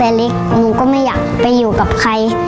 แต่เล็กหนูก็ไม่อยากไปอยู่กับใคร